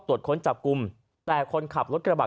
ตรวจคนจับกุมแต่คนขับรถกระบัด